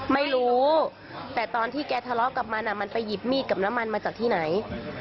ไม่รู้แต่ตอนที่แกทะเลาะกับมันมันไปหยิบมีดกับน้ำมันมาจากที่ไหน